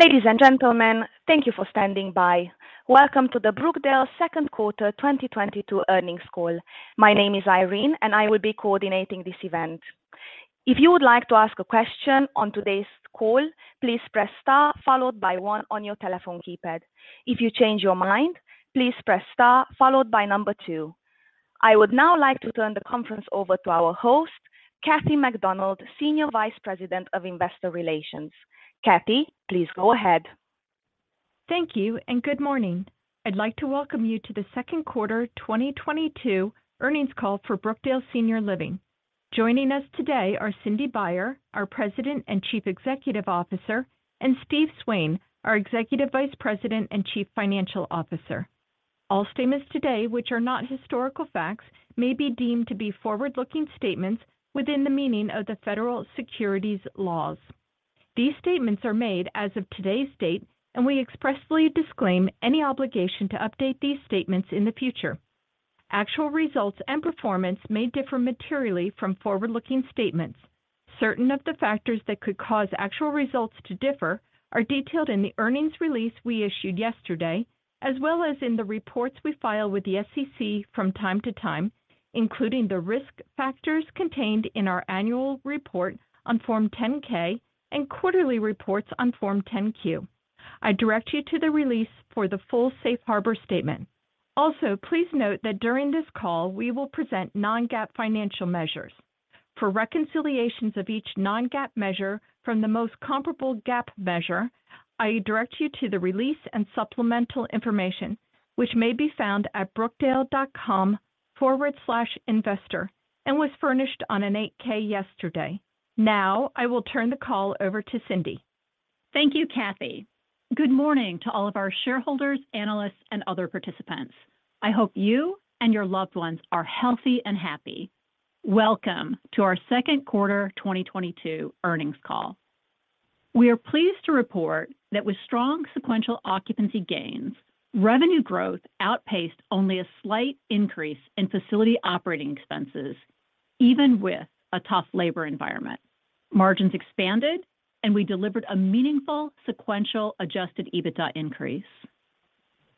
Ladies and gentlemen, thank you for standing by. Welcome to the Brookdale Second Quarter 2022 Earnings Call. My name is Irene, and I will be coordinating this event. If you would like to ask a question on today's call, please press star followed by one on your telephone keypad. If you change your mind, please press star followed by number two. I would now like to turn the conference over to our host, Kathy MacDonald, Senior Vice President of Investor Relations. Kathy, please go ahead. Thank you and good morning. I'd like to welcome you to the Second Quarter 2022 Earnings Call for Brookdale Senior Living. Joining us today are Cindy Baier, our President and Chief Executive Officer, and Steve Swain, our Executive Vice President and Chief Financial Officer. All statements today, which are not historical facts, may be deemed to be forward-looking statements within the meaning of the federal securities laws. These statements are made as of today's date, and we expressly disclaim any obligation to update these statements in the future. Actual results and performance may differ materially from forward-looking statements. Certain of the factors that could cause actual results to differ are detailed in the earnings release we issued yesterday, as well as in the reports we file with the SEC from time to time, including the risk factors contained in our annual report on Form 10-K and quarterly reports on Form 10-Q. I direct you to the release for the full Safe Harbor statement. Also, please note that during this call, we will present non-GAAP financial measures. For reconciliations of each non-GAAP measure from the most comparable GAAP measure, I direct you to the release and supplemental information, which may be found at brookdale.com/investor and was furnished on an 8-K yesterday. Now I will turn the call over to Cindy. Thank you, Kathy. Good morning to all of our shareholders, analysts, and other participants. I hope you and your loved ones are healthy and happy. Welcome to our second quarter 2022 earnings call. We are pleased to report that with strong sequential occupancy gains, revenue growth outpaced only a slight increase in facility operating expenses, even with a tough labor environment. Margins expanded, and we delivered a meaningful sequential Adjusted EBITDA increase.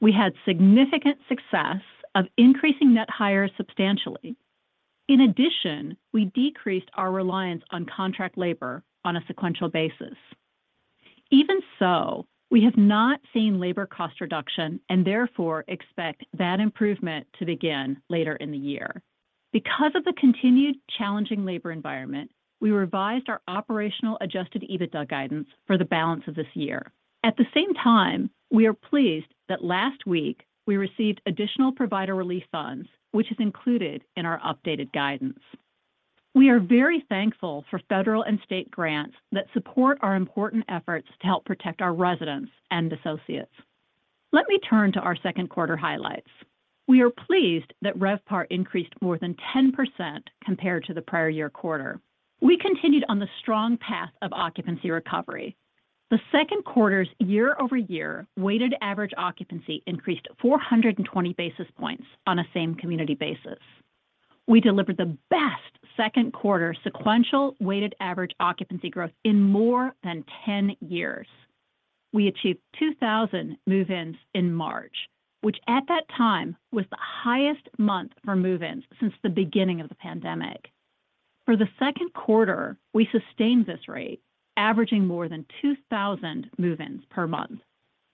We had significant success of increasing net hires substantially. In addition, we decreased our reliance on contract labor on a sequential basis. Even so, we have not seen labor cost reduction and therefore expect that improvement to begin later in the year. Because of the continued challenging labor environment, we revised our operational Adjusted EBITDA guidance for the balance of this year. At the same time, we are pleased that last week we received additional Provider Relief Funds, which is included in our updated guidance. We are very thankful for federal and state grants that support our important efforts to help protect our residents and associates. Let me turn to our second quarter highlights. We are pleased that RevPAR increased more than 10% compared to the prior year quarter. We continued on the strong path of occupancy recovery. The second quarter's year-over-year weighted average occupancy increased 420 basis points on a same-community basis. We delivered the best second quarter sequential weighted average occupancy growth in more than 10 years. We achieved 2,000 move-ins in March, which at that time was the highest month for move-ins since the beginning of the pandemic. For the second quarter, we sustained this rate, averaging more than 2,000 move-ins per month.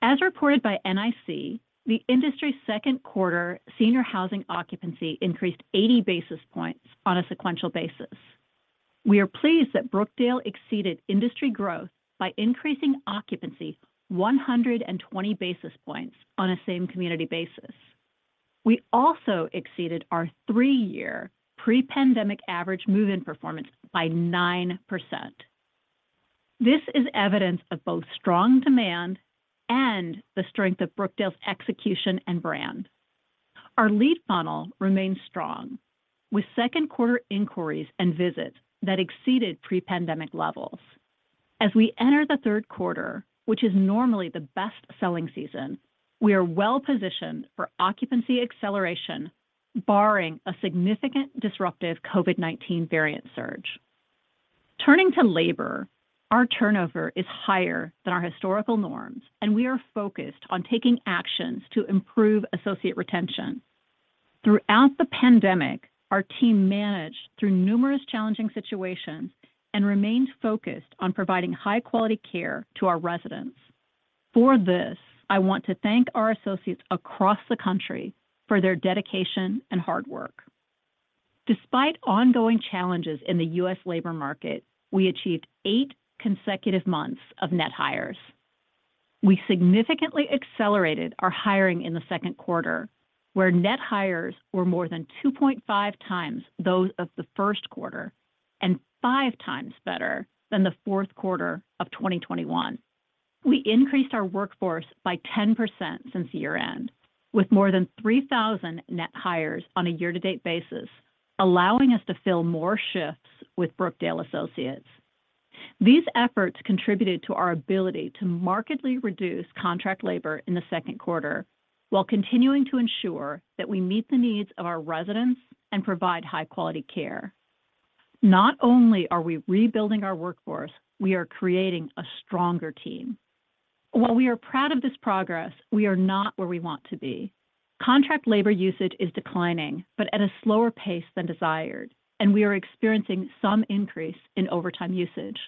As reported by NIC, the industry's second quarter senior housing occupancy increased 80 basis points on a sequential basis. We are pleased that Brookdale exceeded industry growth by increasing occupancy 120 basis points on a same-community basis. We also exceeded our three-year pre-pandemic average move-in performance by 9%. This is evidence of both strong demand and the strength of Brookdale's execution and brand. Our lead funnel remains strong with second quarter inquiries and visits that exceeded pre-pandemic levels. As we enter the third quarter, which is normally the best-selling season, we are well positioned for occupancy acceleration, barring a significant disruptive COVID-19 variant surge. Turning to labor, our turnover is higher than our historical norms, and we are focused on taking actions to improve associate retention. Throughout the pandemic, our team managed through numerous challenging situations and remains focused on providing high-quality care to our residents. For this, I want to thank our associates across the country for their dedication and hard work. Despite ongoing challenges in the U.S. labor market, we achieved eight consecutive months of net hires. We significantly accelerated our hiring in the second quarter, where net hires were more than 2.5x those of the first quarter and 5x better than the fourth quarter of 2021. We increased our workforce by 10% since year-end, with more than 3,000 net hires on a year-to-date basis, allowing us to fill more shifts with Brookdale associates. These efforts contributed to our ability to markedly reduce contract labor in the second quarter while continuing to ensure that we meet the needs of our residents and provide high-quality care. Not only are we rebuilding our workforce, we are creating a stronger team. While we are proud of this progress, we are not where we want to be. Contract labor usage is declining, but at a slower pace than desired, and we are experiencing some increase in overtime usage.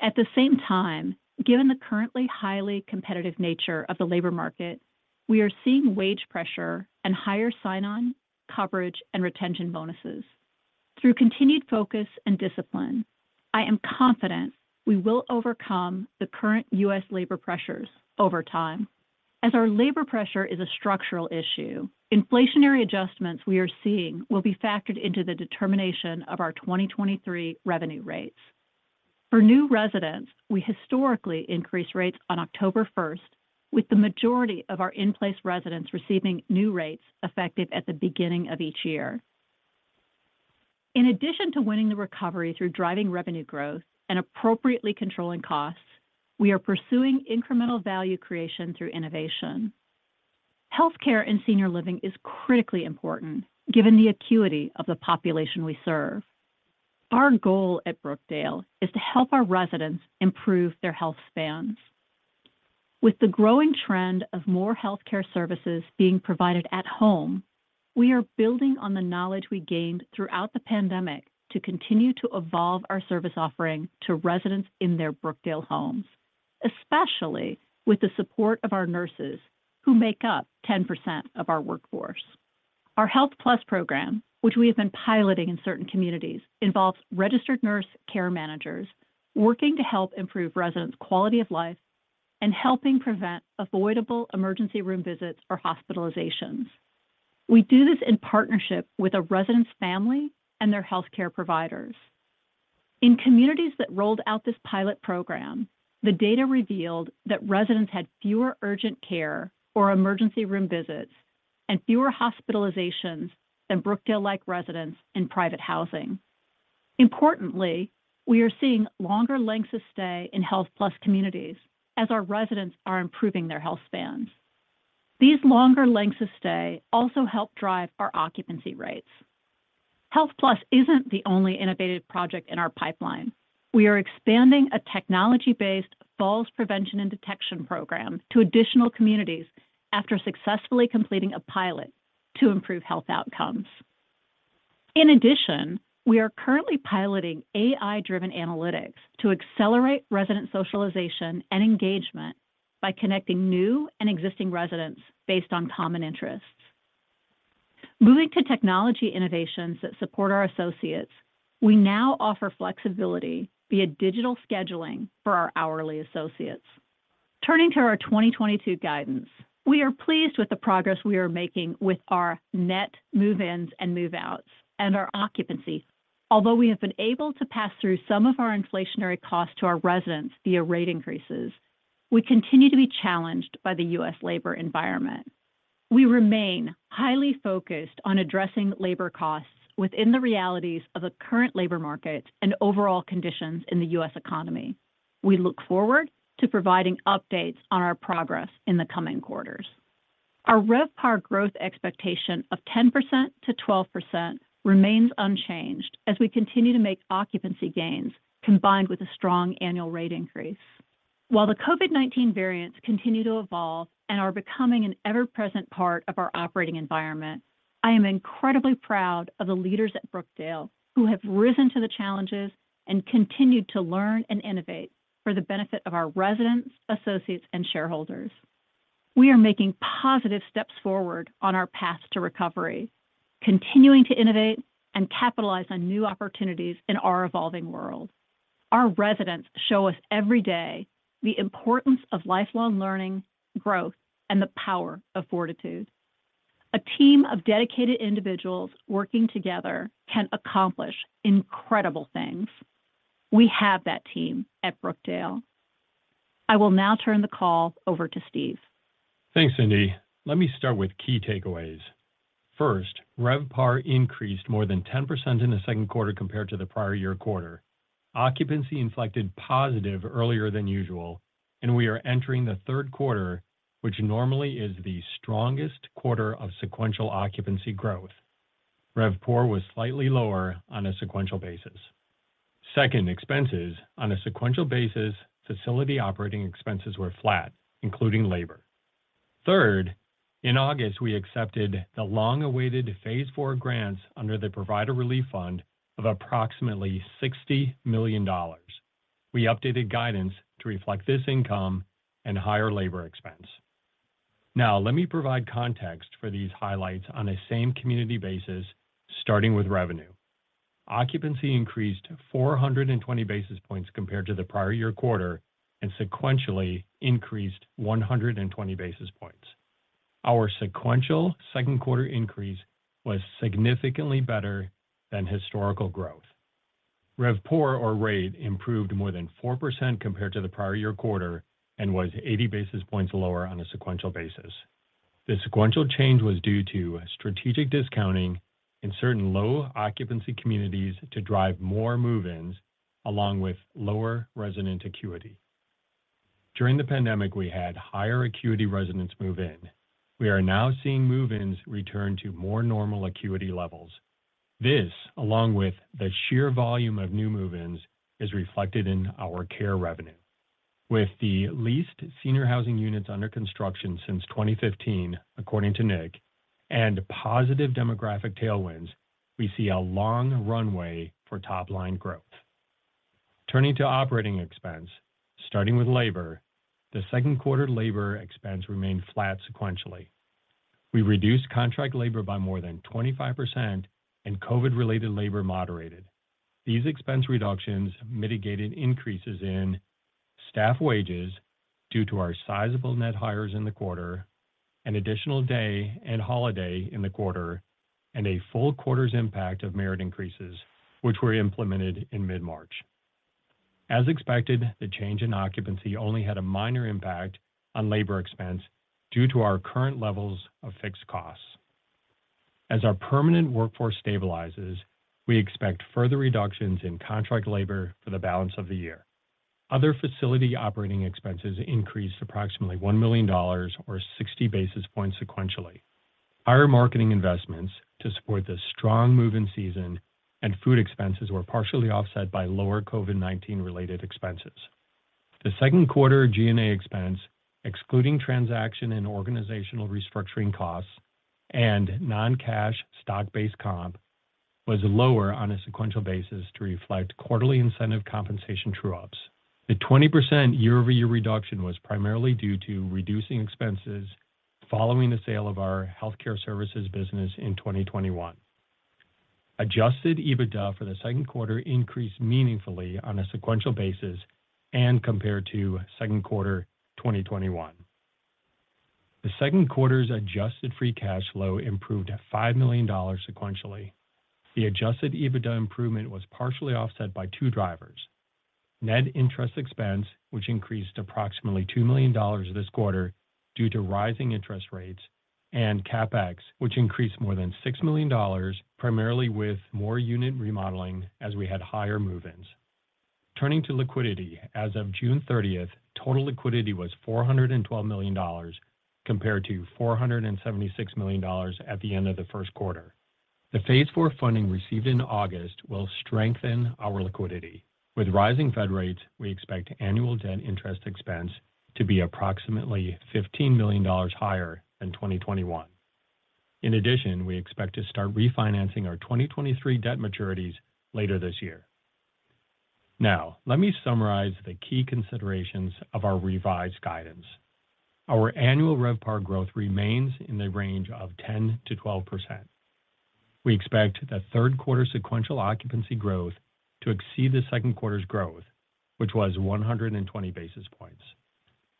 At the same time, given the currently highly competitive nature of the labor market, we are seeing wage pressure and higher sign-on, coverage, and retention bonuses. Through continued focus and discipline, I am confident we will overcome the current U.S. labor pressures over time. As our labor pressure is a structural issue, inflationary adjustments we are seeing will be factored into the determination of our 2023 revenue rates. For new residents, we historically increase rates on October 1st, with the majority of our in-place residents receiving new rates effective at the beginning of each year. In addition to winning the recovery through driving revenue growth and appropriately controlling costs, we are pursuing incremental value creation through innovation. Healthcare in senior living is critically important given the acuity of the population we serve. Our goal at Brookdale is to help our residents improve their health spans. With the growing trend of more healthcare services being provided at home, we are building on the knowledge we gained throughout the pandemic to continue to evolve our service offering to residents in their Brookdale homes, especially with the support of our nurses who make up 10% of our workforce. Our HealthPlus program, which we have been piloting in certain communities, involves registered nurse care managers working to help improve residents' quality of life and helping prevent avoidable emergency room visits or hospitalizations. We do this in partnership with a resident's family and their healthcare providers. In communities that rolled out this pilot program, the data revealed that residents had fewer urgent care or emergency room visits and fewer hospitalizations than Brookdale-like residents in private housing. Importantly, we are seeing longer lengths of stay in HealthPlus communities as our residents are improving their health spans. These longer lengths of stay also help drive our occupancy rates. HealthPlus isn't the only innovative project in our pipeline. We are expanding a technology-based falls prevention and detection program to additional communities after successfully completing a pilot to improve health outcomes. In addition, we are currently piloting AI-driven analytics to accelerate resident socialization and engagement by connecting new and existing residents based on common interests. Moving to technology innovations that support our associates, we now offer flexibility via digital scheduling for our hourly associates. Turning to our 2022 guidance, we are pleased with the progress we are making with our net move-ins and move-outs and our occupancy. Although we have been able to pass through some of our inflationary costs to our residents via rate increases, we continue to be challenged by the U.S. labor environment. We remain highly focused on addressing labor costs within the realities of the current labor market and overall conditions in the U.S. economy. We look forward to providing updates on our progress in the coming quarters. Our RevPAR growth expectation of 10%-12% remains unchanged as we continue to make occupancy gains combined with a strong annual rate increase. While the COVID-19 variants continue to evolve and are becoming an ever-present part of our operating environment, I am incredibly proud of the leaders at Brookdale who have risen to the challenges and continued to learn and innovate for the benefit of our residents, associates, and shareholders. We are making positive steps forward on our path to recovery, continuing to innovate and capitalize on new opportunities in our evolving world. Our residents show us every day the importance of lifelong learning, growth, and the power of fortitude. A team of dedicated individuals working together can accomplish incredible things. We have that team at Brookdale. I will now turn the call over to Steve. Thanks, Cindy. Let me start with key takeaways. First, RevPAR increased more than 10% in the second quarter compared to the prior year quarter. Occupancy inflected positive earlier than usual, and we are entering the third quarter, which normally is the strongest quarter of sequential occupancy growth. RevPOR was slightly lower on a sequential basis. Second, expenses. On a sequential basis, facility operating expenses were flat, including labor. Third, in August, we accepted the long-awaited phase IV grants under the Provider Relief Fund of approximately $60 million. We updated guidance to reflect this income and higher labor expense. Now, let me provide context for these highlights on a same-community basis, starting with revenue. Occupancy increased 420 basis points compared to the prior year quarter, and sequentially increased 120 basis points. Our sequential second quarter increase was significantly better than historical growth. RevPOR, or rate, improved more than 4% compared to the prior year quarter and was 80 basis points lower on a sequential basis. The sequential change was due to strategic discounting in certain low-occupancy communities to drive more move-ins along with lower resident acuity. During the pandemic, we had higher acuity residents move in. We are now seeing move-ins return to more normal acuity levels. This, along with the sheer volume of new move-ins, is reflected in our care revenue. With the least senior housing units under construction since 2015, according to NIC, and positive demographic tailwinds, we see a long runway for top-line growth. Turning to operating expense, starting with labor, the second quarter labor expense remained flat sequentially. We reduced contract labor by more than 25% and COVID-related labor moderated. These expense reductions mitigated increases in staff wages due to our sizable net hires in the quarter, an additional day and holiday in the quarter, and a full quarter's impact of merit increases, which were implemented in mid-March. As expected, the change in occupancy only had a minor impact on labor expense due to our current levels of fixed costs. As our permanent workforce stabilizes, we expect further reductions in contract labor for the balance of the year. Other facility operating expenses increased approximately $1 million, or 60 basis points sequentially. Higher marketing investments to support the strong move-in season and food expenses were partially offset by lower COVID-19 related expenses. The second quarter G&A expense, excluding transaction and organizational restructuring costs and non-cash stock-based comp, was lower on a sequential basis to reflect quarterly incentive compensation true-ups. The 20% year-over-year reduction was primarily due to reducing expenses following the sale of our healthcare services business in 2021. Adjusted EBITDA for the second quarter increased meaningfully on a sequential basis and compared to second quarter 2021. The second quarter's adjusted free cash flow improved $5 million sequentially. The Adjusted EBITDA improvement was partially offset by two drivers. Net interest expense, which increased approximately $2 million this quarter due to rising interest rates, and CapEx, which increased more than $6 million primarily with more unit remodeling as we had higher move-ins. Turning to liquidity, as of June 30, total liquidity was $412 million compared to 476 million at the end of the first quarter. The phase IV funding received in August will strengthen our liquidity. With rising Fed rates, we expect annual debt interest expense to be approximately $15 million higher than 2021. In addition, we expect to start refinancing our 2023 debt maturities later this year. Now, let me summarize the key considerations of our revised guidance. Our annual RevPAR growth remains in the range of 10%-12%. We expect the third quarter sequential occupancy growth to exceed the second quarter's growth, which was 120 basis points.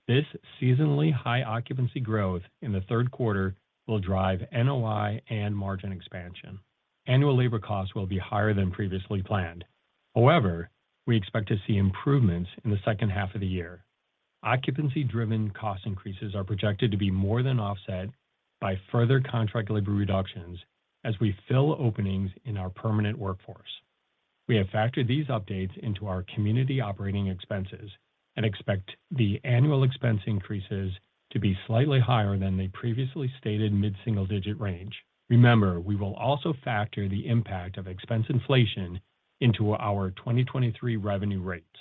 This seasonally high occupancy growth in the third quarter will drive NOI and margin expansion. Annual labor costs will be higher than previously planned. However, we expect to see improvements in the second half of the year. Occupancy-driven cost increases are projected to be more than offset by further contract labor reductions as we fill openings in our permanent workforce. We have factored these updates into our community operating expenses and expect the annual expense increases to be slightly higher than the previously stated mid-single digit range. Remember, we will also factor the impact of expense inflation into our 2023 revenue rates.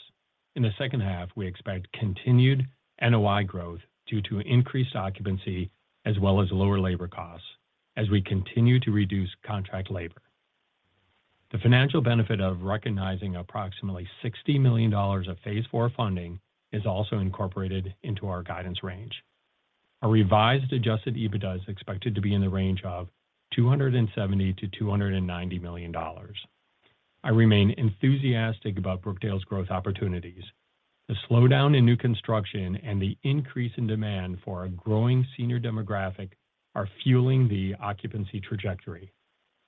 In the second half, we expect continued NOI growth due to increased occupancy as well as lower labor costs as we continue to reduce contract labor. The financial benefit of recognizing approximately $60 million of phase IV funding is also incorporated into our guidance range. Our revised Adjusted EBITDA is expected to be in the range of $270 million-290 million. I remain enthusiastic about Brookdale's growth opportunities. The slowdown in new construction and the increase in demand for a growing senior demographic are fueling the occupancy trajectory.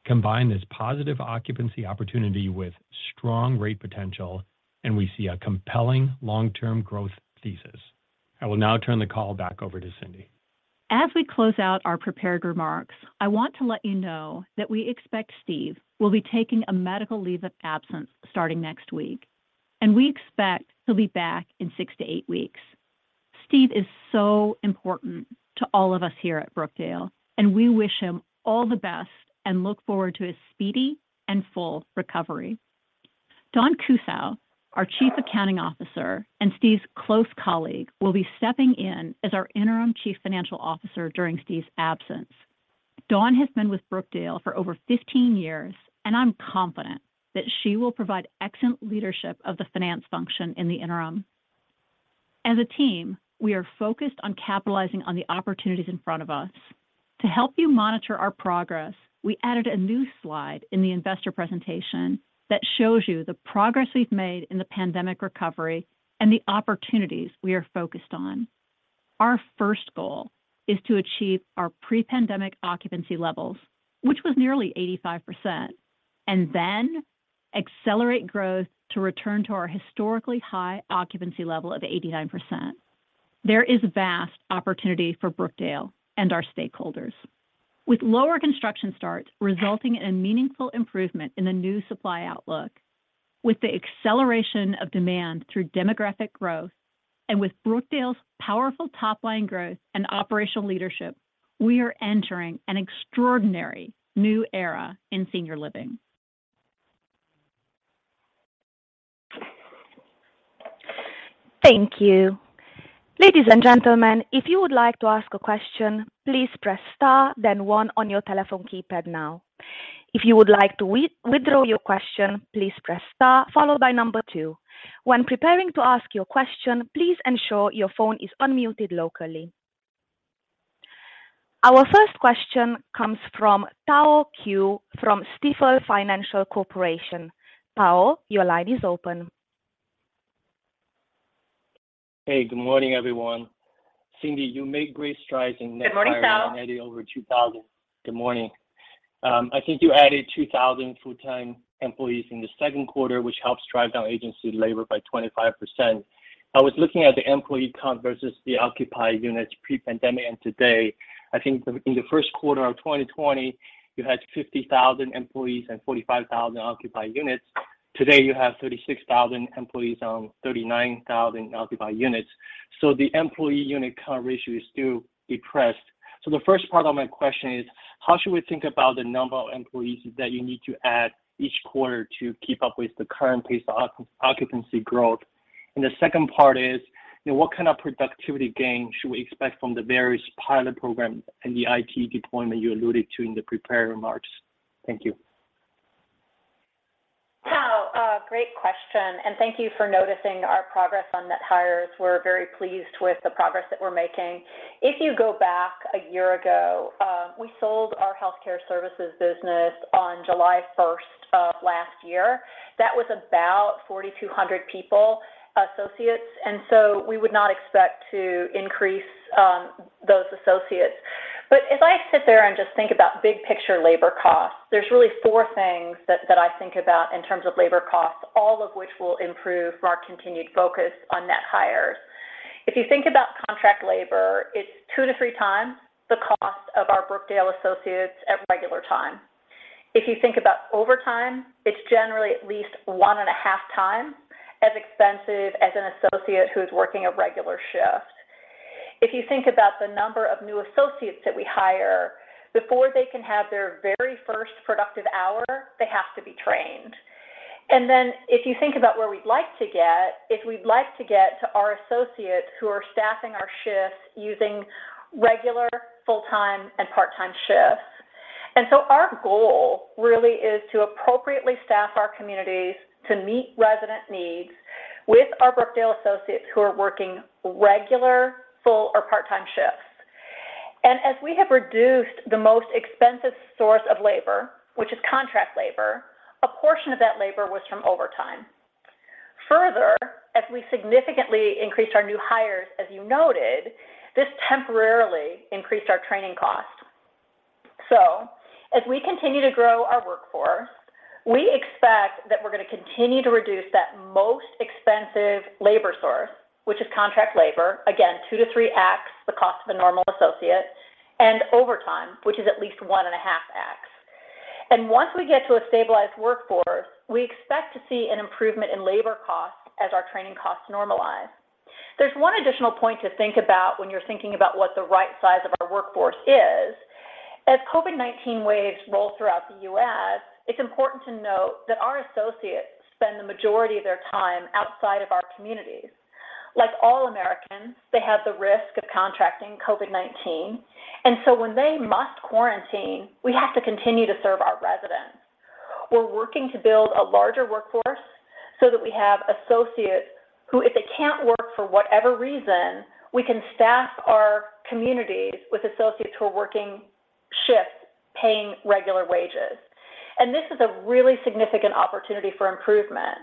Combine this positive occupancy opportunity with strong rate potential, and we see a compelling long-term growth thesis. I will now turn the call back over to Cindy. As we close out our prepared remarks, I want to let you know that we expect Steve will be taking a medical leave of absence starting next week, and we expect he'll be back in six to eight weeks. Steve is so important to all of us here at Brookdale, and we wish him all the best and look forward to his speedy and full recovery. Dawn Kussow, our Chief Accounting Officer and Steve's close colleague, will be stepping in as our interim Chief Financial Officer during Steve's absence. Dawn has been with Brookdale for over 15 years, and I'm confident that she will provide excellent leadership of the finance function in the interim. As a team, we are focused on capitalizing on the opportunities in front of us. To help you monitor our progress, we added a new slide in the investor presentation that shows you the progress we've made in the pandemic recovery and the opportunities we are focused on. Our first goal is to achieve our pre-pandemic occupancy levels, which was nearly 85%, and then accelerate growth to return to our historically high occupancy level of 89%. There is vast opportunity for Brookdale and our stakeholders. With lower construction starts resulting in a meaningful improvement in the new supply outlook, with the acceleration of demand through demographic growth, and with Brookdale's powerful top-line growth and operational leadership, we are entering an extraordinary new era in senior living. Thank you. Ladies and gentlemen, if you would like to ask a question, please press star then one on your telephone keypad now. If you would like to withdraw your question, please press star followed by number two. When preparing to ask your question, please ensure your phone is unmuted locally. Our first question comes from Tao Qiu from Stifel Financial Corporation. Tao, your line is open. Hey, good morning, everyone. Cindy, you made great strides in net hiring. Good morning, Tao. Adding over 2,000. Good morning. I think you added 2,000 full-time employees in the second quarter, which helps drive down agency labor by 25%. I was looking at the employee count versus the occupied units pre-pandemic and today. I think in the first quarter of 2020, you had 50,000 employees and 45,000 occupied units. Today, you have 36,000 Employees on 39,000 occupied units. The employee unit count ratio is still depressed. The first part of my question is, how should we think about the number of employees that you need to add each quarter to keep up with the current pace of occupancy growth? The second part is, you know, what kind of productivity gain should we expect from the various pilot programs and the IT deployment you alluded to in the prepared remarks? Thank you. Tao, great question, and thank you for noticing our progress on net hires. We're very pleased with the progress that we're making. If you go back a year ago, we sold our healthcare services business on July 1st of last year. That was about 4,200 people, associates. We would not expect to increase those associates. As I sit there and just think about big picture labor costs, there's really four things that I think about in terms of labor costs, all of which will improve our continued focus on net hires. If you think about contract labor, it's 2x to 3x the cost of our Brookdale associates at regular time. If you think about overtime, it's generally at least 1.5x as expensive as an associate who's working a regular shift. If you think about the number of new associates that we hire, before they can have their very first productive hour, they have to be trained. Then if you think about where we'd like to get, is we'd like to get to our associates who are staffing our shifts using regular full-time and part-time shifts. Our goal really is to appropriately staff our communities to meet resident needs with our Brookdale associates who are working regular full or part-time shifts. As we have reduced the most expensive source of labor, which is contract labor, a portion of that labor was from overtime. Further, as we significantly increased our new hires, as you noted, this temporarily increased our training costs. As we continue to grow our workforce, we expect that we're gonna continue to reduce that most expensive labor source, which is contract labor, again, 2-3x the cost of a normal associate, and overtime, which is at least 1.5x. Once we get to a stabilized workforce, we expect to see an improvement in labor costs as our training costs normalize. There's one additional point to think about when you're thinking about what the right size of our workforce is. As COVID-19 waves roll throughout the U.S., it's important to note that our associates spend the majority of their time outside of our communities. Like all Americans, they have the risk of contracting COVID-19. When they must quarantine, we have to continue to serve our residents. We're working to build a larger workforce so that we have associates who, if they can't work for whatever reason, we can staff our communities with associates who are working shifts, paying regular wages. This is a really significant opportunity for improvement.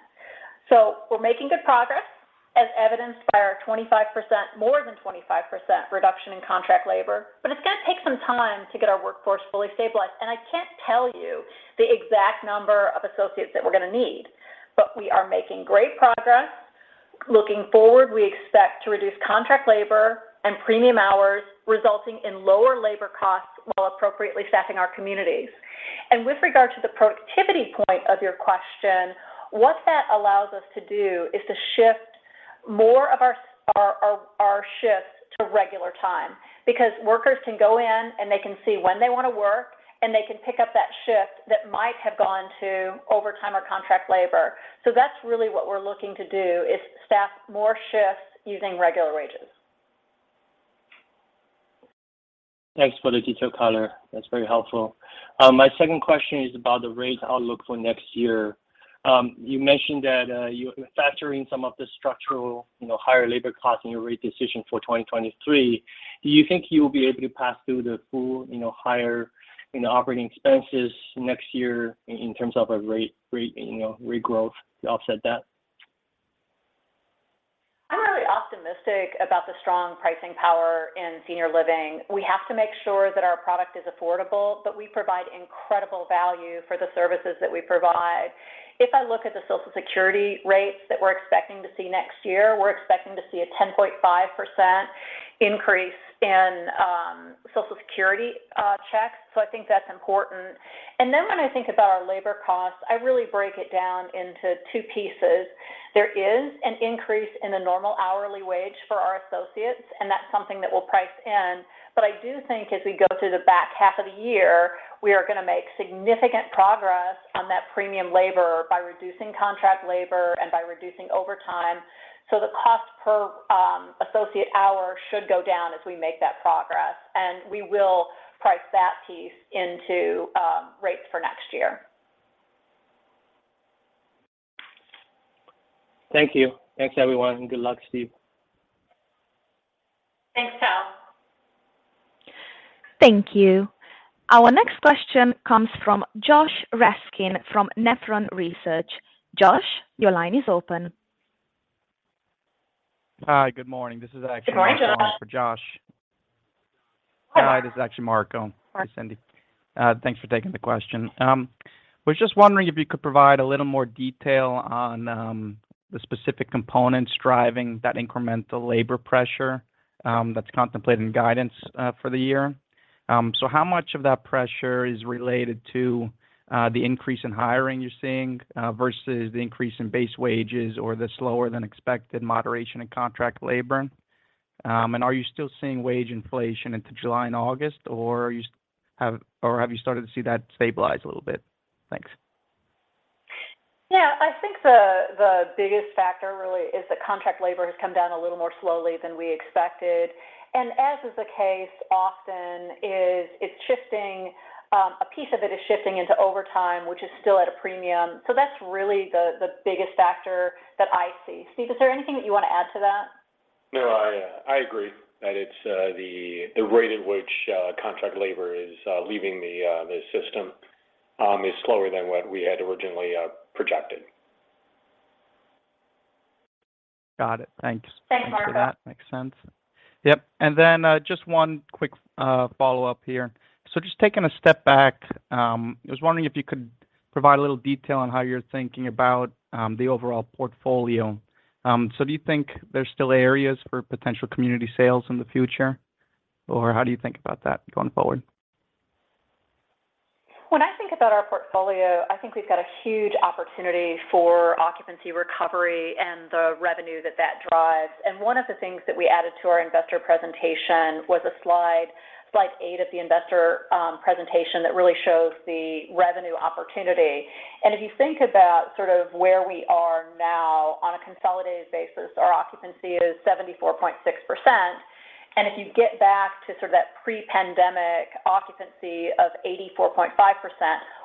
We're making good progress as evidenced by our 25%, more than 25% reduction in contract labor, but it's gonna take some time to get our workforce fully stabilized. I can't tell you the exact number of associates that we're gonna need, but we are making great progress. Looking forward, we expect to reduce contract labor and premium hours, resulting in lower labor costs while appropriately staffing our communities. With regard to the productivity point of your question, what that allows us to do is to shift more of our shifts to regular time because workers can go in and they can see when they wanna work, and they can pick up that shift that might have gone to overtime or contract labor. That's really what we're looking to do, is staff more shifts using regular wages. Thanks for the detailed color. That's very helpful. My second question is about the rate outlook for next year. You mentioned that you're factoring some of the structural, you know, higher labor costs in your rate decision for 2023. Do you think you'll be able to pass through the full, you know, higher, you know, operating expenses next year in terms of a rate regrowth to offset that? I'm really optimistic about the strong pricing power in senior living. We have to make sure that our product is affordable, but we provide incredible value for the services that we provide. If I look at the Social Security rates that we're expecting to see next year, we're expecting to see a 10.5% increase in Social Security checks. I think that's important. When I think about our labor costs, I really break it down into two pieces. There is an increase in the normal hourly wage for our associates, and that's something that we'll price in. But I do think as we go through the back half of the year, we are gonna make significant progress on that premium labor by reducing contract labor and by reducing overtime. The cost per associate hour should go down as we make that progress, and we will price that piece into rates for next year. Thank you. Thanks everyone, and good luck, Steve. Thanks, Tao Qiu. Thank you. Our next question comes from Josh Raskin from Nephron Research. Josh, your line is open. Hi. Good morning. Good morning, Josh. Josh. Hi, this is actually Marco. Marco. Hi, Cindy. Thanks for taking the question. Was just wondering if you could provide a little more detail on the specific components driving that incremental labor pressure that's contemplated in guidance for the year. So how much of that pressure is related to the increase in hiring you're seeing versus the increase in base wages or the slower than expected moderation in contract labor? And are you still seeing wage inflation into July and August, or have you started to see that stabilize a little bit? Thanks. Yeah. I think the biggest factor really is that contract labor has come down a little more slowly than we expected. As is often the case, a piece of it is shifting into overtime, which is still at a premium. That's really the biggest factor that I see. Steve, is there anything that you wanna add to that? No, I agree that it's the rate at which contract labor is leaving the system is slower than what we had originally projected. Got it. Thanks. Thanks, Marco. Thank you for that. Makes sense. Yep. Just one quick follow-up here. Just taking a step back, I was wondering if you could provide a little detail on how you're thinking about the overall portfolio. Do you think there's still areas for potential community sales in the future, or how do you think about that going forward? When I think about our portfolio, I think we've got a huge opportunity for occupancy recovery and the revenue that that drives. One of the things that we added to our investor presentation was a slide eight of the investor presentation that really shows the revenue opportunity. If you think about sort of where we are now on a consolidated basis, our occupancy is 74.6%. If you get back to sort of that pre-pandemic occupancy of 84.5%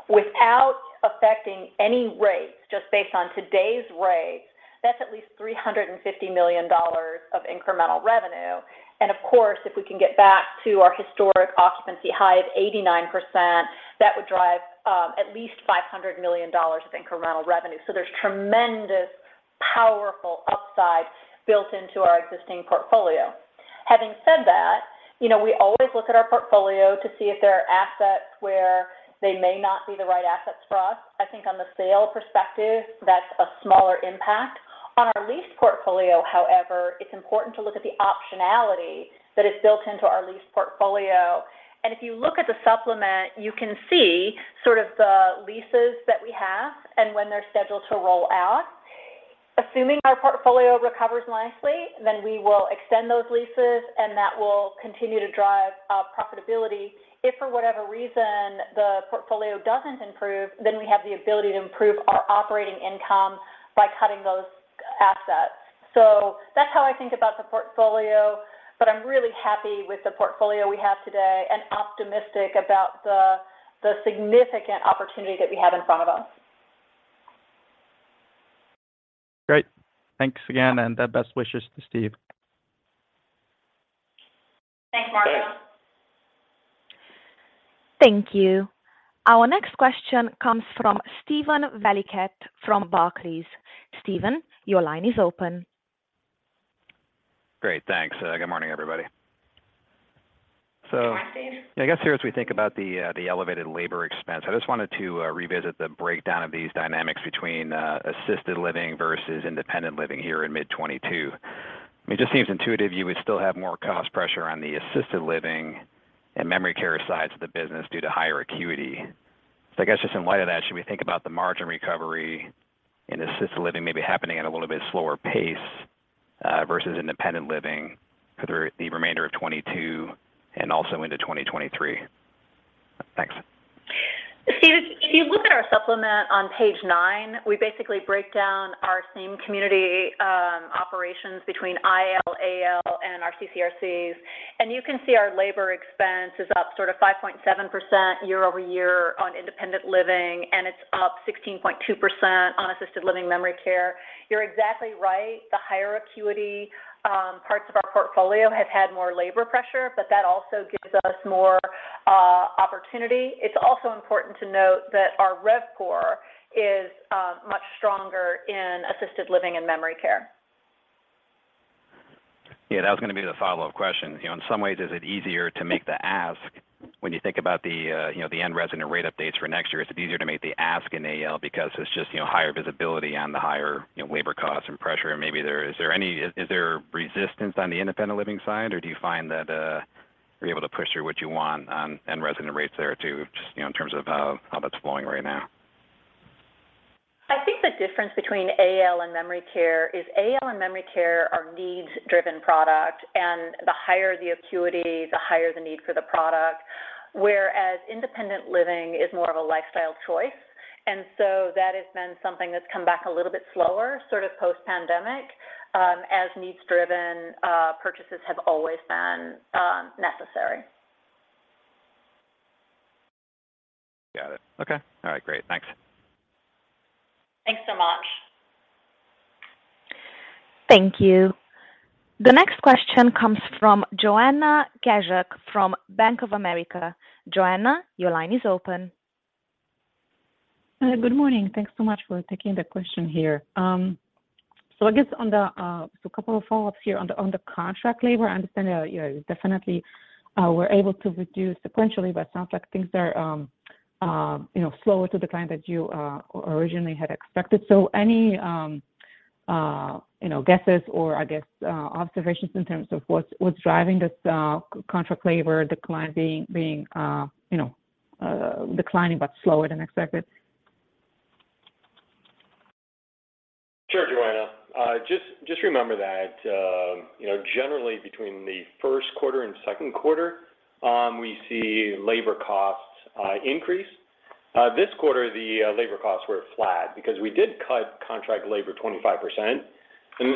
without affecting any rates, just based on today's rates, that's at least $350 million of incremental revenue. Of course, if we can get back to our historic occupancy high of 89%, that would drive at least $500 million of incremental revenue. There's tremendous powerful upside built into our existing portfolio. Having said that, you know, we always look at our portfolio to see if there are assets where they may not be the right assets for us. I think on the sale perspective, that's a smaller impact. On our lease portfolio, however, it's important to look at the optionality that is built into our lease portfolio. If you look at the supplement, you can see sort of the leases that we have and when they're scheduled to roll out. Assuming our portfolio recovers nicely, then we will extend those leases, and that will continue to drive profitability. If for whatever reason the portfolio doesn't improve, then we have the ability to improve our operating income by cutting those assets. That's how I think about the portfolio, but I'm really happy with the portfolio we have today and optimistic about the significant opportunity that we have in front of us. Great. Thanks again, and best wishes to Steve. Thanks, Marco. Thank you. Our next question comes from Steven Valiquette from Barclays. Steven, your line is open. Great. Thanks. Good morning, everybody. Good morning, Steve. I guess here as we think about the elevated labor expense, I just wanted to revisit the breakdown of these dynamics between assisted living versus independent living here in mid-2022. I mean, it just seems intuitive you would still have more cost pressure on the assisted living and memory care sides of the business due to higher acuity. I guess just in light of that, should we think about the margin recovery in assisted living maybe happening at a little bit slower pace versus independent living for the remainder of 2022 and also into 2023? Thanks. Steve, if you look at our supplement on page nine, we basically break down our same community operations between IL, AL, and our CCRCs, and you can see our labor expense is up sort of 5.7% year-over-year on independent living, and it's up 16.2% on assisted living memory care. You're exactly right. The higher acuity parts of our portfolio have had more labor pressure, but that also gives us more opportunity. It's also important to note that our RevPOR is much stronger in assisted living and memory care. Yeah, that was gonna be the follow-up question. You know, in some ways, is it easier to make the ask when you think about the, you know, the annual resident rate updates for next year, is it easier to make the ask in AL because it's just, you know, higher visibility on the higher, you know, labor costs and pressure? Is there any resistance on the independent living side, or do you find that you're able to push through what you want on annual resident rates there too, just, you know, in terms of how that's flowing right now? I think the difference between AL and memory care is AL and memory care are needs-driven product, and the higher the acuity, the higher the need for the product. Whereas independent living is more of a lifestyle choice. That has been something that's come back a little bit slower, sort of post-pandemic, as needs-driven purchases have always been necessary. Got it. Okay. All right, great. Thanks. Thanks so much. Thank you. The next question comes from Joanna Gajuk from Bank of America. Joanna, your line is open. Good morning. Thanks so much for taking the question here. A couple of follow-ups here on the contract labor. I understand that, you know, definitely were able to reduce sequentially, but sounds like things are, you know, slower to decline than you originally had expected. Any, you know, guesses or, I guess, observations in terms of what's driving this contract labor decline being declining but slower than expected? Sure, Joanna. Just remember that, you know, generally between the first quarter and second quarter, we see labor costs increase. This quarter, labor costs were flat because we did cut contract labor 25%.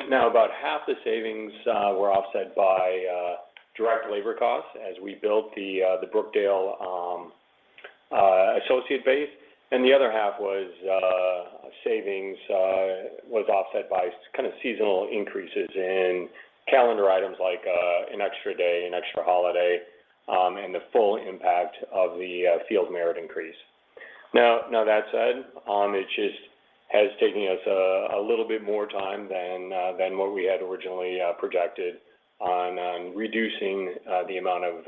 Now about half the savings were offset by direct labor costs as we built the Brookdale associate base. The other half of the savings was offset by kind of seasonal increases in calendar items like an extra day, an extra holiday, and the full impact of the field merit increase. Now that said, it just has taken us a little bit more time than what we had originally projected on reducing the amount of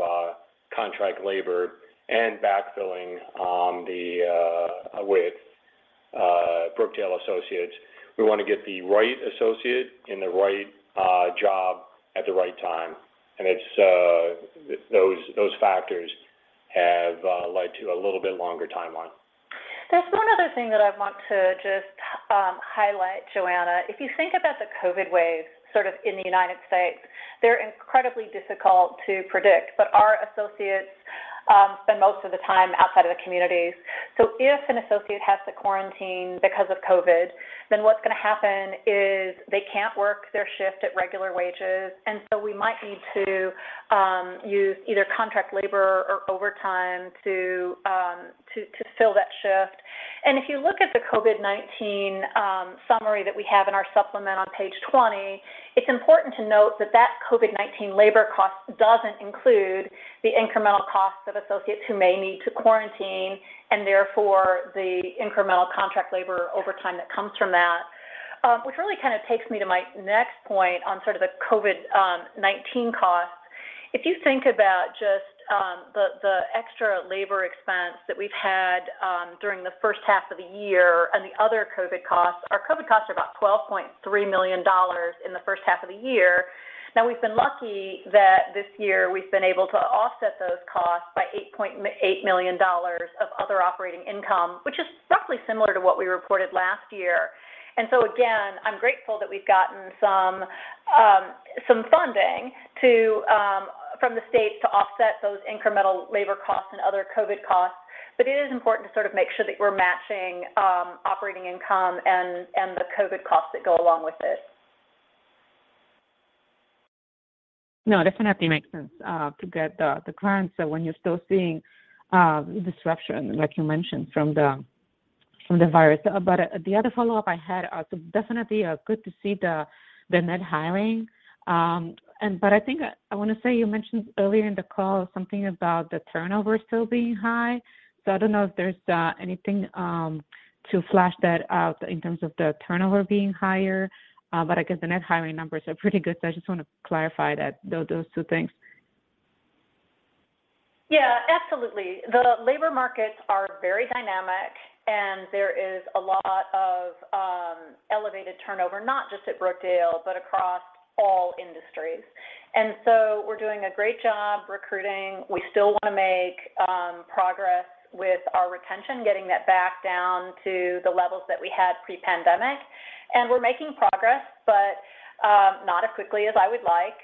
contract labor and backfilling with Brookdale associates. We wanna get the right associate in the right job at the right time. It's those factors have led to a little bit longer timeline. There's one other thing that I want to just highlight, Joanna. If you think about the COVID wave sort of in the United States, they're incredibly difficult to predict. Our associates spend most of the time outside of the communities. If an associate has to quarantine because of COVID, then what's gonna happen is they can't work their shift at regular wages, and so we might need to use either contract labor or overtime to fill that shift. If you look at the COVID-19 summary that we have in our supplement on page 20, it's important to note that that COVID-19 labor cost doesn't include the incremental costs of associates who may need to quarantine, and therefore the incremental contract labor overtime that comes from that. Which really kinda takes me to my next point on sort of the COVID-19 costs. If you think about just the extra labor expense that we've had during the first half of the year and the other COVID-19 costs, our COVID-19 costs are about $12.3 million in the first half of the year. Now, we've been lucky that this year we've been able to offset those costs by $8 million of other operating income, which is roughly similar to what we reported last year. Again, I'm grateful that we've gotten some funding from the state to offset those incremental labor costs and other COVID-19 costs. It is important to sort of make sure that we're matching operating income and the COVID-19 costs that go along with it. No, definitely makes sense to get the clients. When you're still seeing disruption, like you mentioned from the virus. The other follow-up I had, definitely good to see the net hiring. I think I want to say you mentioned earlier in the call something about the turnover still being high. I don't know if there's anything to flesh that out in terms of the turnover being higher. I guess the net hiring numbers are pretty good. I just want to clarify that, those two things. Yeah, absolutely. The labor markets are very dynamic and there is a lot of elevated turnover, not just at Brookdale, but across all industries. We're doing a great job recruiting. We still wanna make progress with our retention, getting that back down to the levels that we had pre-pandemic. We're making progress, but not as quickly as I would like.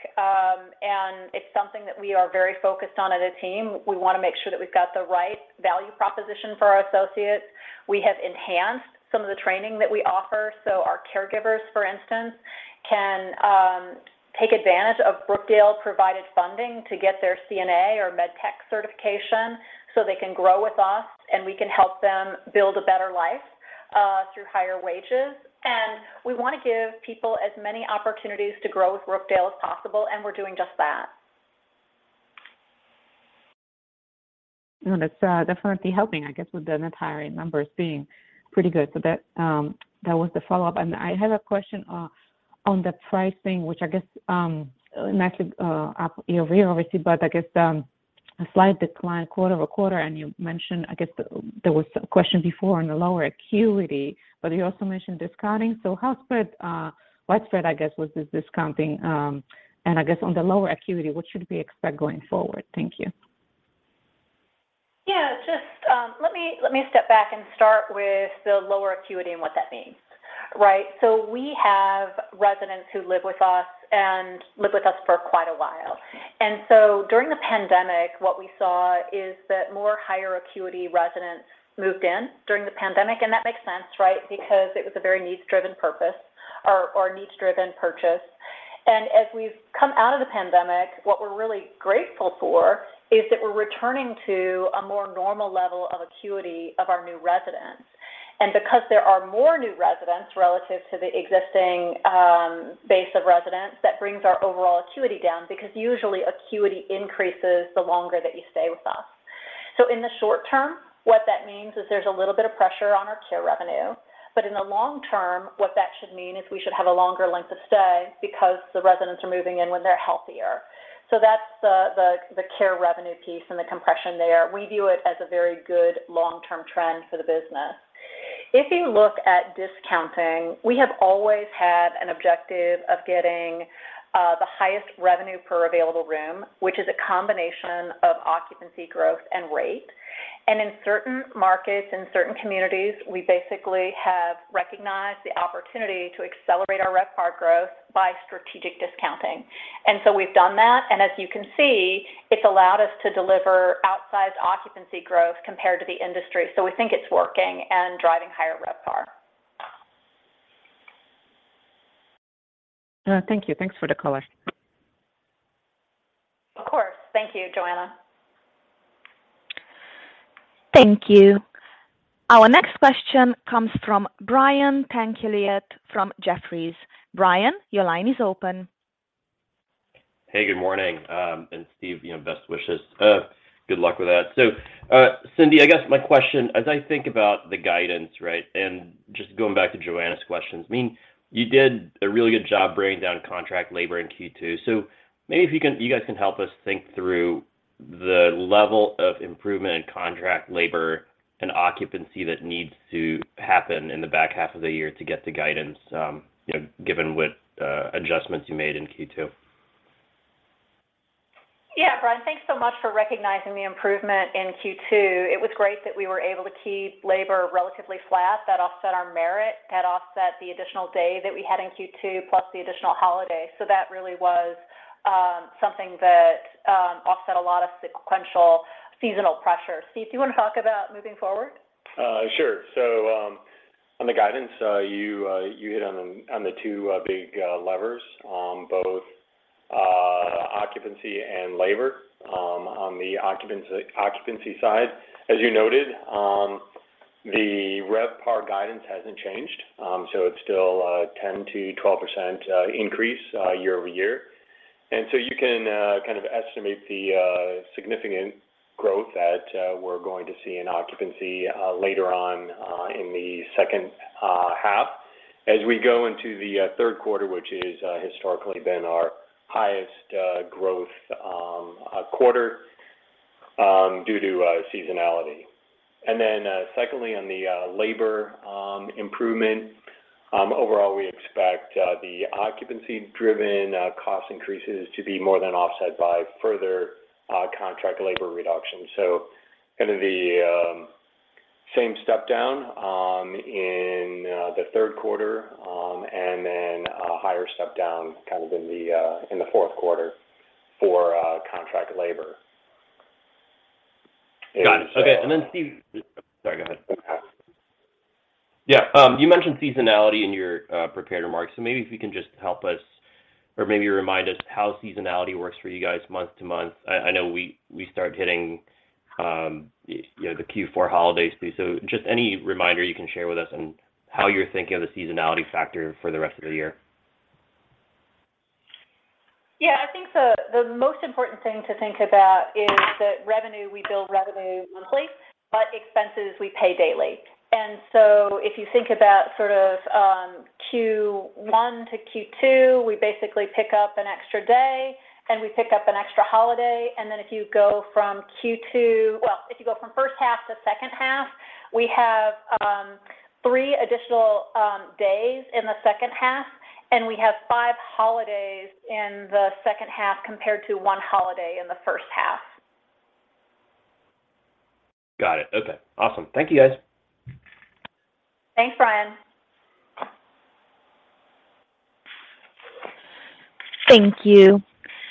It's something that we are very focused on as a team. We wanna make sure that we've got the right value proposition for our associates. We have enhanced some of the training that we offer so our caregivers, for instance, can take advantage of Brookdale provided funding to get their CNA or Med-Tech certification, so they can grow with us, and we can help them build a better life through higher wages. We wanna give people as many opportunities to grow with Brookdale as possible, and we're doing just that. No, that's definitely helping, I guess, with the net hiring numbers being pretty good. That was the follow-up. I had a question on the pricing, which I guess naturally up year-over-year obviously, but I guess a slight decline quarter-over-quarter, and you mentioned, I guess there was a question before on the lower acuity, but you also mentioned discounting. How widespread, I guess, was this discounting? I guess on the lower acuity, what should we expect going forward? Thank you. Yeah. Just, let me step back and start with the lower acuity and what that means, right? We have residents who live with us and lived with us for quite a while. During the pandemic, what we saw is that more higher acuity residents moved in during the pandemic, and that makes sense, right? Because it was a very needs-driven purpose or needs-driven purchase. As we've come out of the pandemic, what we're really grateful for is that we're returning to a more normal level of acuity of our new residents. Because there are more new residents relative to the existing base of residents, that brings our overall acuity down because usually acuity increases the longer that you stay with us. In the short term, what that means is there's a little bit of pressure on our care revenue. In the long term, what that should mean is we should have a longer length of stay because the residents are moving in when they're healthier. That's the care revenue piece and the compression there. We view it as a very good long-term trend for the business. If you look at discounting, we have always had an objective of getting the highest revenue per available room, which is a combination of occupancy growth and rate. In certain markets and certain communities, we basically have recognized the opportunity to accelerate our RevPAR growth by strategic discounting. We've done that, and as you can see, it's allowed us to deliver outsized occupancy growth compared to the industry. We think it's working and driving higher RevPAR. Thank you. Thanks for the color. Of course. Thank you, Joanna. Thank you. Our next question comes from Brian Tanquilut from Jefferies. Brian, your line is open. Hey, good morning. Steve, you know, best wishes. Good luck with that. Cindy, I guess my question, as I think about the guidance, right? Just going back to Joanna's questions. I mean, you did a really good job bringing down contract labor in Q2. Maybe you guys can help us think through the level of improvement in contract labor and occupancy that needs to happen in the back half of the year to get to guidance, you know, given what adjustments you made in Q2. Yeah. Brian, thanks so much for recognizing the improvement in Q2. It was great that we were able to keep labor relatively flat. That offset our merit, that offset the additional day that we had in Q2, plus the additional holiday. That really was something that offset a lot of sequential seasonal pressure. Steve, do you wanna talk about moving forward? Sure. On the guidance, you hit on the two big levers on both occupancy and labor. On the occupancy side, as you noted, the RevPAR guidance hasn't changed, so it's still a 10%-12% increase year-over-year. You can kind of estimate the significant growth that we're going to see in occupancy later on in the second half as we go into the third quarter, which is historically been our highest growth quarter due to seasonality. Secondly, on the labor improvement overall, we expect the occupancy-driven cost increases to be more than offset by further contract labor reductions. Kind of the same step down in the third quarter, and then a higher step down kind of in the fourth quarter for contract labor. Got it. Okay. Steve. Sorry, go ahead. Okay. You mentioned seasonality in your prepared remarks, so maybe if you can just help us or maybe remind us how seasonality works for you guys month-to-month. I know we start hitting, you know, the Q4 holidays. Just any reminder you can share with us on how you're thinking of the seasonality factor for the rest of the year. I think the most important thing to think about is that revenue, we bill revenue monthly, but expenses we pay daily. If you think about sort of Q1 to Q2, we basically pick up an extra day and we pick up an extra holiday. If you go from first half to second half, we have three additional days in the second half, and we have 5 holidays in the second half compared to one holiday in the first half. Got it. Okay. Awesome. Thank you, guys. Thanks, Brian. Thank you.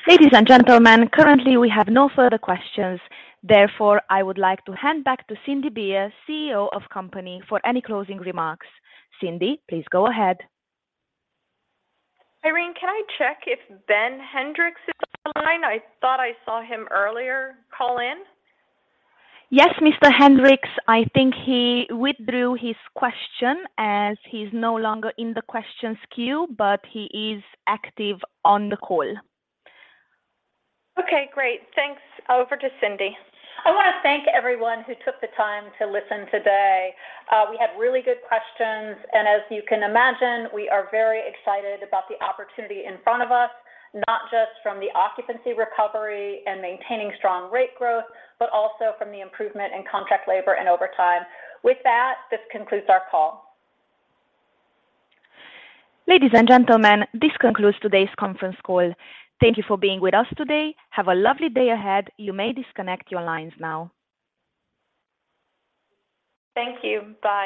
Ladies and gentlemen, currently we have no further questions. Therefore, I would like to hand back to Cindy Baier, CEO of company, for any closing remarks. Cindy, please go ahead. Irene, can I check if Ben Hendrix is on the line? I thought I saw him earlier call in. Yes. Mr. Hendrix, I think he withdrew his question as he's no longer in the questions queue, but he is active on the call. Okay, great. Thanks. Over to Cindy. I wanna thank everyone who took the time to listen today. We had really good questions, and as you can imagine, we are very excited about the opportunity in front of us, not just from the occupancy recovery and maintaining strong rate growth, but also from the improvement in contract labor and overtime. With that, this concludes our call. Ladies and gentlemen, this concludes today's conference call. Thank you for being with us today. Have a lovely day ahead. You may disconnect your lines now. Thank you. Bye.